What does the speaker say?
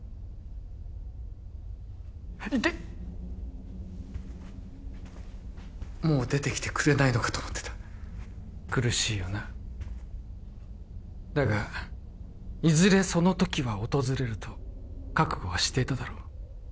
イテッもう出てきてくれないのかと思ってた苦しいよなだがいずれその時は訪れると覚悟はしていただろう